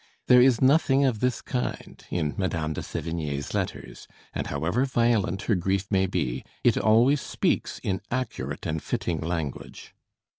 There is nothing of this kind in Madame de Sévigné's letters; and however violent her grief may be, it always speaks in accurate and fitting language.